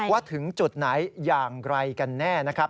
ว่าถึงจุดไหนอย่างไรกันแน่นะครับ